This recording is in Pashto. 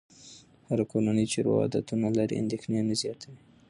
هره کورنۍ چې روغ عادتونه لري، اندېښنې نه زیاتوي.